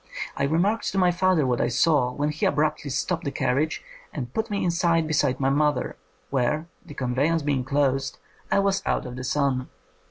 I remarked to my father what I saw, when he abruptly stopped the carriage and put me inside be side my mother, where, the conveyance being closed, I was out of the sun..